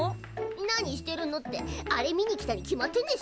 何してるのってあれ見に来たに決まってんでしょ。